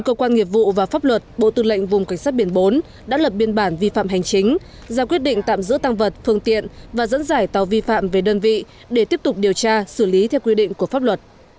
cơ quan nghiệp vụ và pháp luật bộ tư lệnh vùng cảnh sát biển bốn phát hiện một tàu cá cải hoán trở khoảng một trăm hai mươi lít dầu diesel bất hợp pháp đang trên đường vận chuyển vào đất liền để tiêu thụ thì bị thu giữ